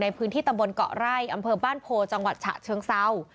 ในพื้นที่ตำบลเกาะไร่อำเภอบ้านโพจังหวัดฉะเชิงเศร้า